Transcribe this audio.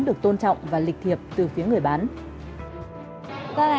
được tôn trọng và lịch thiệp từ phía người bán